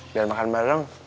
biar makan bareng